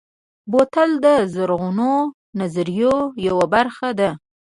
بوتل د زرغونو نظریو یوه برخه ده.